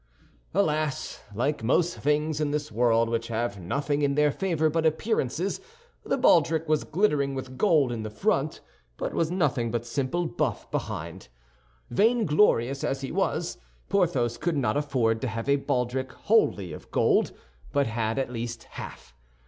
Alas, like most things in this world which have nothing in their favor but appearances, the baldric was glittering with gold in the front, but was nothing but simple buff behind. Vainglorious as he was, Porthos could not afford to have a baldric wholly of gold, but had at least half.